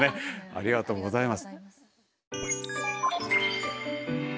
ありがとうございます。